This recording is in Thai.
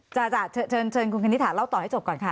จ้าจ้าเชิญคุณคณิษฐะเล่าต่อให้จบก่อนค่ะ